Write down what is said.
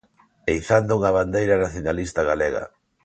E izando unha bandeira nacionalista galega.